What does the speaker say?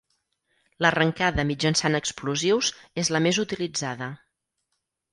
L'arrencada mitjançant explosius és la més utilitzada.